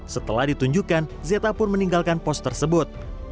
setelah ditunjukkan za pun meninggalkan pos tersebut